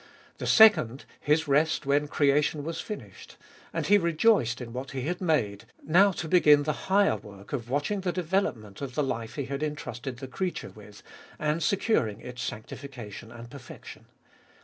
The second, His rest when creation was finished, and He rejoiced in what He had made, now to begin the higher work of watch ing the development of the life He had intrusted the creature with, and securing its sanctification and perfection.